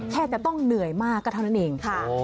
แค่จะต้องเหนื่อยมากก็เท่านั้นเองค่ะ